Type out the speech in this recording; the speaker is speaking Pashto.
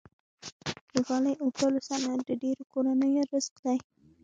د غالۍ اوبدلو صنعت د ډیرو کورنیو رزق دی۔